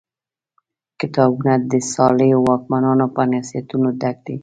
کتابونه د صالحو واکمنانو په نصیحتونو ډک دي.